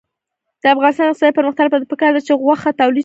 د افغانستان د اقتصادي پرمختګ لپاره پکار ده چې غوښه تولید شي.